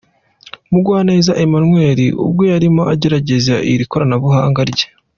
Mugwaneza Emmanuel, ubwo yarimo agerageza iri koranabuhanga rye.